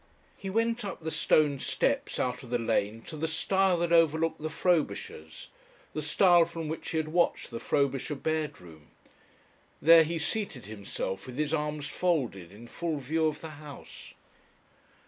He went up the stone steps out of the lane to the stile that overlooked the Frobishers, the stile from which he had watched the Frobisher bedroom. There he seated himself with his arms, folded, in full view of the house.